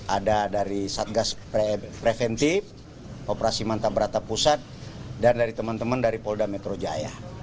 ada dari satgas preventif operasi mantabrata pusat dan dari teman teman dari polda metro jaya